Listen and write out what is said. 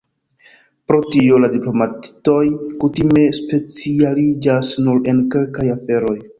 Pro tio, la diplomatoj kutime specialiĝas nur en kelkaj aferoj.